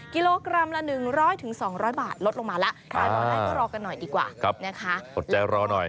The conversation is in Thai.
กิโลกรัมละ๑๐๐ถึง๒๐๐บาทลดลงมาละค่าวาง่ายก็รอกันหน่อยดีกว่าใช่ค่ะเขาจะรอหน่อย